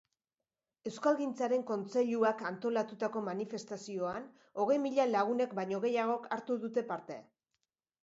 Euskalgintzaren Kontseiluak antolatutako manifestazioan hogei mila lagunek baino gehiagok hartu dute parte.